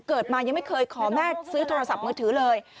เกิดมายังไม่เคยขอแม่ซื้อโทรศัพท์มือถือเลย